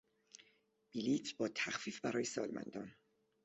بلیط با تخفیف برای سالمندان